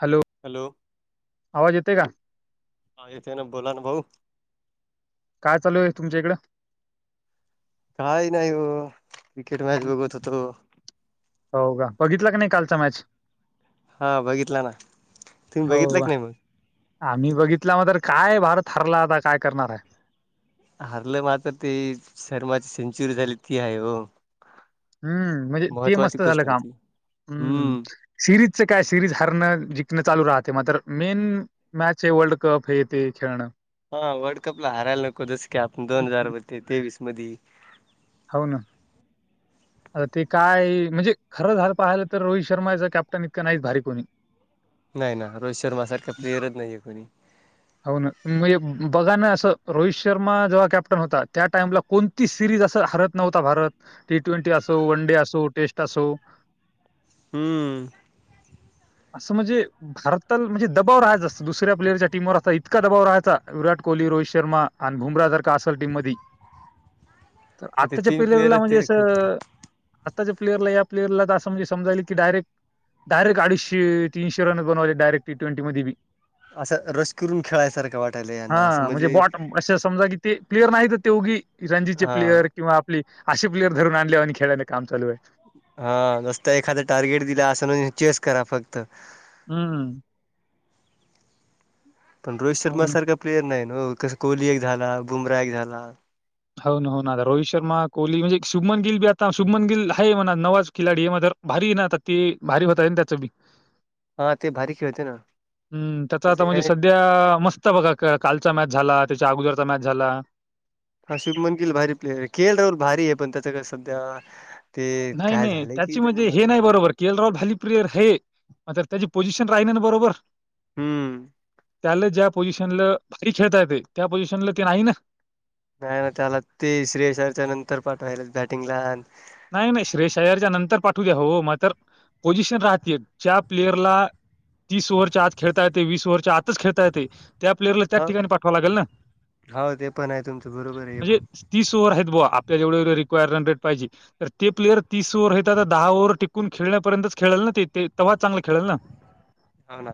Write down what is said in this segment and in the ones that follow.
Hello! Hello! आवाज येते का हा येतोय ना, बोला ना भाऊ काय चालू आहे तुमच्या इकडे? काही नाही हो क्रिकेट मॅच हं. बघत होतो हो का बघितलं का नाही कालचा मॅच? हा बघितला ना तुम्ही बघितलं का नाही?? मग आम्ही बघितला मग तर काय भारत हरला आता काय करणार आहे. हरलं मात्र ते शर्माची सेंचुरी झाली ती आहे हो हम्म म्हणजे ते महत्त्वाची मस्त झालं गोष्ट आहे काम ती हम्म सिरीजचं काय सिरीज हरणं जिंकणं चालू राहते मात्र मेन मॅच हे वर्ल्ड कप हे ते खेळणं हा वर्ल्ड कप ला हारायला नको जस की आपण हम्म दोन हजार ते तेवीस मध्ये हावू ना ह आता ते काय म्हणजे खरं झालं पाहिलं तर रोहित शर्मा याच कॅप्टन इतकं नाहीच भारी कोणी नाही ना रोहित शर्मा सारखं प्लेअरच नाहीये कोणी. हो ना म्हणजे बघा ना असं रोहित शर्मा जेव्हा कॅप्टन होता त्या टाइमला कोणती सिरीज अस हरत नव्हता भारत टी ट्वेंटी असो, वन डे असो, टेस्ट असो. हम्म असं म्हणजे भारताला म्हणजे दबाव राहायचा अस दुसऱ्या प्लेअरच्या टीमवर असता इतका दबाव राहायचा विराट कोहली, रोहित शर्मा आणि भुमरा जर का असल टीम मध्ये तर ते आत्ताच्या तीन प्लेयरला प्लेयरच ते म्हणजे खूप असं आताच्या प्लेअरला या प्लेर तर म्हणजे समजा की डायरेक्ट डायरेक्ट अडीशे तीनशे रन करुन बनवले डायरेक् टी ट्वेंटी म बी असं रश करून खेळायसारखं वाटायला यांना असं हा म्हणजे बॉट अशा समजा की ते प्लेयर नाही तर ते उगु रणजीचे हा प्लेयर. किंवा आपली अशी प्लेयर धरून आणल्या आणि खेळांलय काम चालू आहे हा नसत एखादा टार्गेट दिला असं म्ह [unintelligible] चेस करा फक्त हम्म पण रोहित हो शर्मा ना, सारखा प्लेयर नाही ना हो कसं कोहली एक झाला, बुमराह एक झाला हो ना हो ना आता रोहित शर्मा, कोहली म्हणजे शुभमन गिल, बी आता शुभमन गिल आहे म्हणा नवाच खिलाडी आहे. [unintelligible] भारी ना आता ती भारी होत त्याचं बी हा ते भारी खेळते ना हं, त्याचा अस आता म्हणजे का [unintelligible] मस्त बघा कालचा मॅच झाला त्याच्या अगोदरचा मॅच झाला हा शुभमन गिल भारी प्लेयर आहे के एल भारी आहे पण त्याच्या काय सध्या ते नाही, काय नाही झाल की त्याची म्हणजे [unintelligible] हे बंद नाही [unintelligible] बरोबर के एल भारी प्लेयर हे म्र [unintelligible] त्याची पोझिशन राहिना ना बरोबर. हम्म. त्याला ज्या पोझिशनला भारी खेळता येतय. त्या पोझिशनला ते नाही ना? नाही ना. त्याला ते श्रेयश आयरच्या नंतर पाठवायलेत बॅटिंगला न - नाही नाही. श्रेयस अय्यरच्या नंतर पाठवू द्या हो. मग तर पोझिशन राहतेय. ज्या प्लेयरला - तीस ओव्हरच्या आज खेळता येतय. वीस ओव्हरच्या आतच खेळता येतय- त्या प्लेअरला त्याच हो ठिकाणी पाठवाव लागेल ना? हो ते पण आहे तुमचं बरोबर आहे हे म्हणजे पण - तीस ओव्हर आहेत बुवा, आपल्याला जेवढं रिकवायर्ड रनरेट पाह्यजे. तर ते प्लेयर तीस ओव्हर आहे त आता दहा ओव्हर टिकून खेळण्यापर्यंतच खेळेल ना ते - तव्हा चांगल खेळेल ना? हो ना.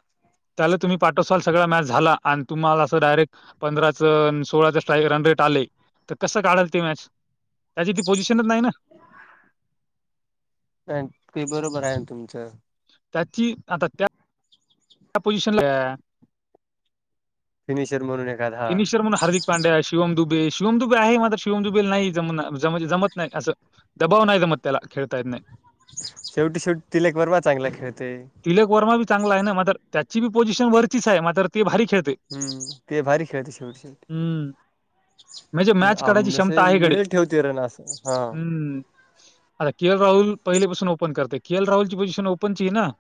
त्याला तुम्ही पाठवसाल. सगळा मॅच झाला आणि तुम्हाला असं डायरेक् पंधराच- सोळाचा स्ट्राईक रन रेट आले तर कसं काढाल ती मॅच? त्याची ती पोझिशनच नाही ना. ते बरोबर आहे तुमच. त्याची आता त्या- त्या पोजिशनला-त्या - फिनिशर म्हणून- एखादा हा. फिनिशर म्हणून हार्दिक पांड्या, शिवम दुबे. शिवम दुबे आहे- शिवम दुबेला नाही जम जमत नाही असं. दबाव नाही जमत त्याला खेळता येत नाही. शेवटी शेवटी तिलेक वर्मा चांगला खेळतोय. तिलक वर्मा बी चांगला आहे ना? मातर त्याची बी पोझिशन वरचीच आहे. मातर ते भारी खेळतय. हम्म. ते भारी खेळत शेवट शेवट. हम्म. म्हणजे मॅच काढायची क्षमता जसे आहे गडे. मिडल ठेवते रन असं हा. हम्म. आता के एल राहुल पहिले पाासून ओपन करते. के एल राहुलची पोझिशन ओपनची ये ना?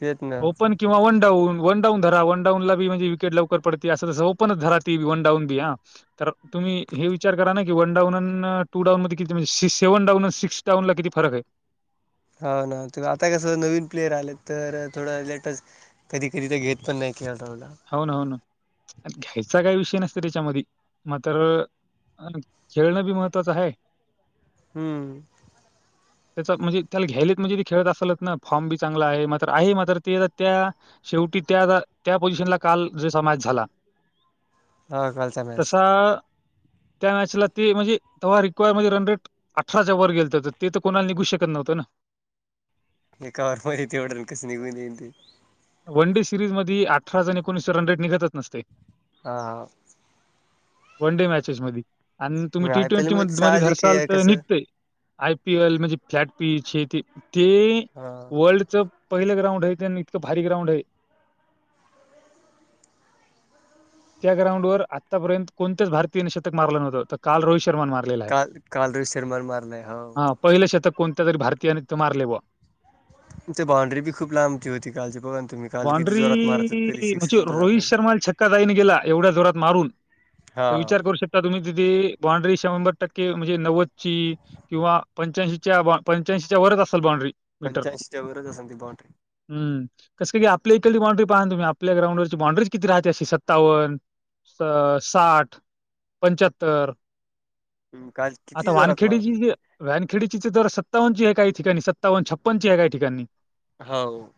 तेच ना. ओपन किंवा वनडाऊन. वनडाउन धरा. वनडाऊन ला बी म्हणजे विकेट लवकर पड- ती अस तस. ओपनच धराती वनडाउन बी अं. तर तुम्ही हे विचार करा ना की, वन डाउन आणि टू डाऊन मध्ये किती म्हणजे [unintelligible] सेवन डाउन सिक्स डाऊनला किती फरक आहे? हाव ना. ते आता कसं नवीन प्लेयर आलेत तर थोडं लेटच- कधी कधी तर घेत पण नाही के एल राहुल ला. हो ना. हो ना. घ्यायचा काही विषय नसतो त्याच्यामध्ये मात्र - अन खेळणं बी महत्त्वाचं आहे- हम्म. त्याचा म्हणजे त्याला घ्यायलेत म्हणजे त खेळत असेलच ना? फॉर्म बी चांगला आहे. मात्र आहे मात्र ते त्या- शेवटी त्या त्या पोझिशनला- काल जसा मॅच झाला. हा कालचा मॅच तसा - त्या मॅचला ती ए म्हणजे, तेव्हढा रिक्वार म्हणजे रन रेट- अठराच्या वर गेलंत तर ते तर कोणाला निघू शकतं नव्हतं ना? एकावर. [unintelligible] कस निघून येईल ते? वन डे सिरीज मध्ये, अठरा जण एकोणीसच रन रेट निघतचं नसते. हा. हा. वन डे मॅचेस मध्ये. आणि मग तुम्ही T I P L twenty मध्ये साहजिक धरशाल आहे तर कसं निघतय. आय पी एल म्हणजे फ्लॅट पीच हे ते. ते हा -वर्ल्डचं- पहिलं ग्राउंड आहे ते. आणि इतकं भारी ग्राउंड आहे. त्या ग्राउंडवर आतापर्यंत कोणत्याच भारतीयानं शतक मारलं नव्हंत. तर काल रोहित शर्मान मारलं. काल, काल रिसेटमध्ये मारलंय. हो. हा पहिलं शतक कोणत्या तरी भारतीयाने त मारलय बुवा. तिथे बॉण्ड्री बी खूप लांब- बॉन्ड्री होते तरी [unintelligible] सिक्स म्हणजे सुद्धा जात रोहित नव्हती शर्माला छक्का जाईन गेला एवढ्या जोरात मारून, हा तर विचार करू शकता, तुम्ही तिथे बॉण्ड्री शंभर टक्के म्हणजे नव्वदची किंवा पंच्याऐंशीच्या वरचं असल बाँंड्री. पंच्याऐंशीच्या वरच असेल ती बॉड्री. हम! कसं की आपली इकडची बॉड्री पाहानं तुम्ही, आपल्या ग्राउंडवरची बॉड्रीच किती राहते अशी सत्तावन साठ, पंच्याहत्तर काल, किती जोरात मारत होते ते व्यानखीडीची तर सत्तावन्ची काही ठिकाणी, सत्तावन, छप्पणची आहे, काही ठिकाणी. हाव.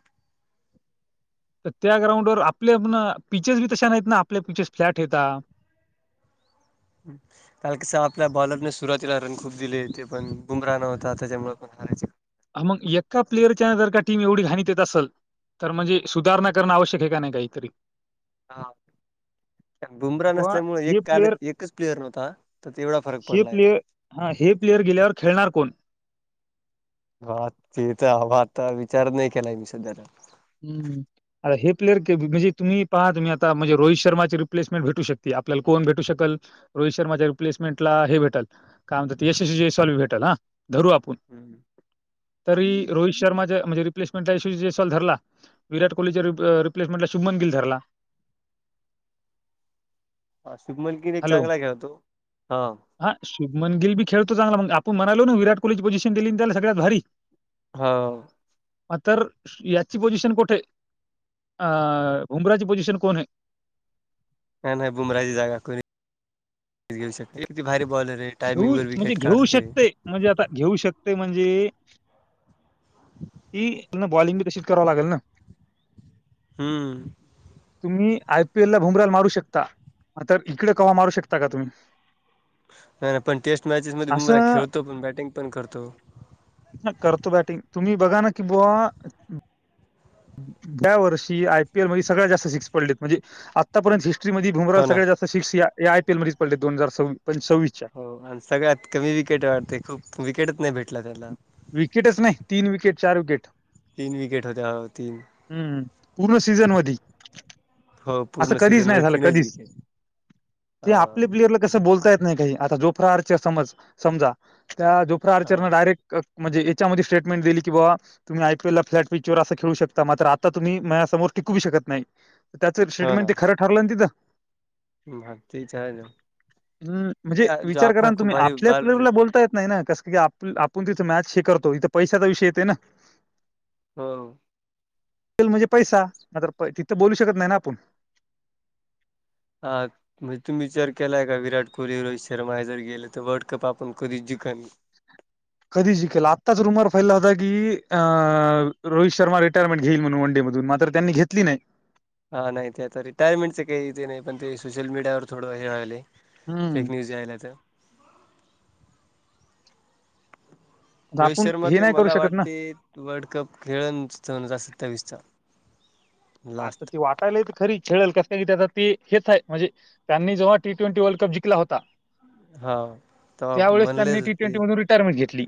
तर त्या ग्राउंड वर आपल्या पणा पिचस बी तशा नाहीत ना, आपल्या पिचस फ्लॅट हेता. हम्. काल कस आपल्या बॉलरने सुरुवातीला रन खूप दिले, ते पण बुमरान होता, त्याच्यामुळे पण हारायचं मग एका प्लेअरच्या जर का टीम एवढी घाण येत असल तर म्हणजे सुधारणा करणं आवश्यक आहे का नाही काहीतरी? हां. बुमरान व असल्यामुळ एक हे काल प्लेअर एकचं प्लेअर होता, तर तेवढा फरक हे पडलायं. प्लेअर हा, हे प्लेयर गेल्यावर खेळणार कोण? हा, ते तर अवं आता विचार नाही केलाय मी सध्या [unintelligible] हम्म! आता हे प्लेयर के. बी म्हणजे तुम्ही पहा आता म्हणजे रोहित शर्माचे रिप्समेंट भेटू शकते, आपला कोण भेटू शकलं रोहित शर्माच्या रिप्लेसमेंटला हे भेटलं, काय म्हणतात यशस्वी जॅसवलं भेटलं हा, धरू आपण. हम! तरी रोहित शर्माच्या, म्हणजे रिप्लेसमंटच्या [unintelligible] जास्वाल धरला. विराट कोहलीच्या रिप्लेसमेटला, शुभमीन धरला. हाशुमगिल कि चांगला खेळतो, हा. हा, शुभमगिल बी खेळतो चांगला, मग आपण म्हणाल ना विराट कोहलीची पोझिशन दिली ना त्याला सगळ्यात भारी. हाव. आ तर या ची पोझिशन कठे, भुमराची पोझिशन कोण आहे? न्हाई न्हाई, भुमराची जागा कोणी [unintelligible] घेऊ शकत, किती भारी बॉलर आहे. घेऊ टायमिंग वर म्हणजे विकेट घेऊ काढते. शकतंय, म्हणजे आता घेऊ शकतंय म्हणजे ती बॉलिंग, बी तशीचं करावं लागेल ना. हम्म! तुम्ही आयपीएलला भुमराला मारू शकता, तर इकडे कवा मारू शकता का तुम्ही? नाय नाय, पण टेस्ट मॅचेस मध्ये असं खेळतो, पण बॅटिंग पण करतो. करतो बॅटिंग, तुम्ही बघा ना कि बुवा. या वर्षी आयपीएल मध्ये सगळ्या जास्त सिक्स पडलेतं, म्हणजे आतापर्यंत हिस्ट्री मध्ये भुमराला हो ना सगळ्या जास्तं सिक्स या, या आयपील मध्येच पडलेत, दोन हजार सववीसच्या हो, आणि सगळ्यात कमी विकेट वाढते, खूप विकेटच नाही भेटतं. विकेटचं नाही, तीन विकेट चार विकेट तीन विकेट होत्या हो तीन हम्म! पूर्ण सीझन मधी हो असं पूर्ण कधीच सीझन नाही मध्ये झालं, तीनच कधीच, विकेट ते ह आपल्या प्लेयरला कस बोलता येत नाही काही, आता जोपरा आर्च्या समज समजा, त्या जोपरा ह आर्चरन डायरेक्ट क म्हणजे, याच्यामध्ये स्टेटमेंट दिली की बाबा तुम्ही आयपीएलला फ्लॅट पिचवर असं खेळू शकता, मात्र आता तुम्ही मायासमोर टिकूवू शकत नाही. त्याचं एक स्टेटमेंट ते खरं ठरलं ना तिथं मग तिचं हाय ना हम, म्हणजे आहे. विचार करा जाफरा ना, खूप तुम्ही भारी आपल्या बाल आपल्याला बोलता येत नाही, ना कसं की आपूण तिथं मॅच हे करतो, इथं पैशाचा विषय येतोय ना? हो म्हणजे पैसा तिथं बोलू शकत नाही ना आपूण [unintelligible] म्हणजे तुम्ही विचार केलाय का विराट कोहली रोहित शर्मा हे जर गेले तर वर्ल्ड कप आपण कधीच जिका. कधी जिंकेल आत्ताच रुमर फैयला होता की अ रोहित शर्मा रिटायरमेंट घेईल म्हणून वनडे मधून मात्र त्यांनी घेतली नाही. हा नाही ते आता रिटायरमेंटचे काही इ तेे नाही पण ते सोशल मीडियावर थोडं हे व्हाले. हम्म फेक न्यूज यायलेत. आता रोहित आपण शर्मा हे ते नाही करू मला शकत ना वाटते. वर्ल्ड कप खेळ दोन हजार सत्तावीस चा. हा तर ती वा. खरी खेळल कसय की ते हेच आहे म्हणजे त्यांनी जेव्हा टी ट्वेंटी वर्ल्ड कप जिंला होता. हा तवा त्यावेळेस त्यांनी म्हणलेच टी होते ट्वेंटी मधून रिटायरमेंट घेतली.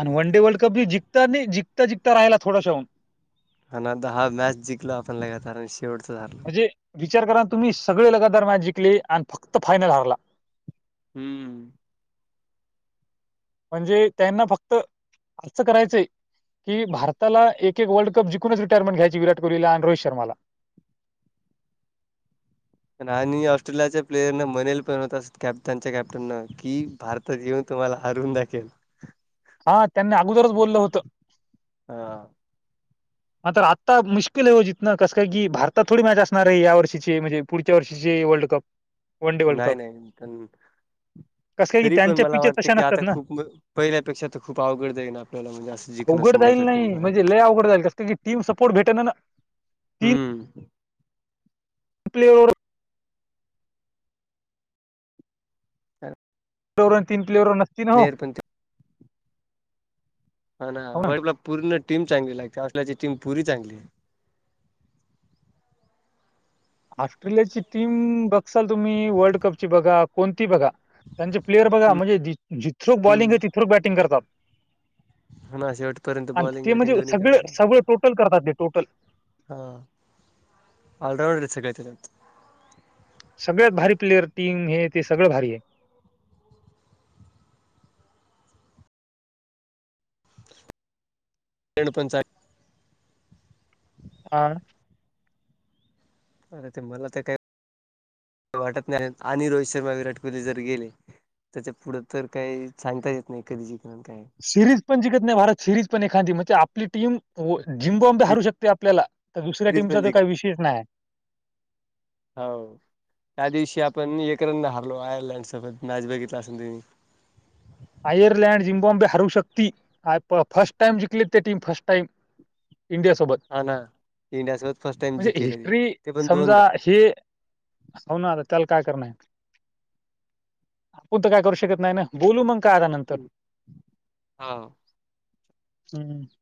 आणि वन डे वर्ल्ड कप मी जिंता नाही जिता जिंता राहिला थोडशाहन हा दहा मॅच जिंलो आपण लगातार आणि शेवटच झा. म्हणजे विचार करा तुम्ही सगळे लगतार मॅच जिंकले आणि फक्त फायनल हारला. हम्म. म्हणजे त्यांना फक्त हीच करायचंय. की भारताला एक एक वर्ल्ड कप जिकूनच रिटायरमंट घ्यायची विराट कोहलीला आणि रोहित शर्माला आणि ऑस्ट्रेलियाच्या प्लेयर न म्हनेल पण होता कॅप्टनच्या कॅप्टन न की भारत तरी येेऊन तुम्हाला हरून दाखेल. हा त्यांनी अगोदरच बोललं होतं. हा. मात्र आत्ता मुश्किल आहे हो जीतन कसंय की भारतात थोडी मॅच असणार आहे या वर्षीचे म्हणजे पुढच्या वर्षीचे world cup one day world नाही कप नाही पण कसं काय की तरी पण त्यांच्या मला पिचेस वाटते तशा की नसतात आता ना खूप पहिल्यापेक्षा तर खूप अवघड जाईल आपल्याला म्हणजे अस. अवघड जाईल नाही म्हणजे लय अवघड जाईल कसं की टीम सपोर्ट भेटे ना ना. हम्म. प्ले. तर दोघं तीन प्लेअर. वर पणंत हा ना वर्ला पूर्ण टीम चांगली लागते असल्याची टीम पुरी चांगली आहे. ऑस्ट्रेलिया ची टीम बघसाल तुम्ही वर्ल्ड कपची बघा कोणती बघा. त्यांचे प्लेयर बघा म्हणजे जिथ्रक बॉलिंग हम्म. आहे तिथ्रक बॅटिंग करतात. हा ना शेवटपर्यंत अन बॉलिंग ते म्हणजे बॅटिंग सगळ दोन्हीकडे सगळं टोटल करतात ते टोटल. हा आऑलराऊंडर सगळे त्याच्यात सगळ्यात भारी प्लेयर टीम हे ते सगळं भारी आहे. ए पंचात [inaudible] हा. अरे ते मला तर काही वाटत नाही आणि रोहित शर्मा विराट कोहली जर गेले. त्याच्या पुढं तर काही सांगता येत नाही कधी जिकण काय? सिरीज पण जिककत नाही भारत सिरीज पण एखादी म्हणजे आपली टीम झिम्बबाम्ब हारू शकते आपल्याला तर दुसऱ्या सिरीज टीमचा पण जिंक काही विशेष नाही. हो त्या दिवशी आपण एककरणन हारलो आयर्लँड सोबत मॅच बघितला असल तम्ही आयरलँड झिम्बाॉम्बे हरू शकती फर्स्ट टाईम जिकलेत ते टीम फर्स्ट टाइम इंडिया सोबत हा ना इंडिया सोबत फर्स्ट टाइम म्हणजे जिंकेल हिस्ट्री ते पण दोनदा समजा हे. हो ना आता त्याला काय करणारय. कोणत काय करू शकत नाही ना बोलू मग का नंतर हा हम्म मी